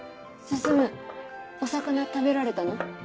進お魚食べられたの？